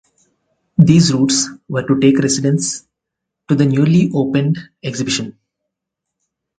These routes were to take residents to the newly opened exhibition.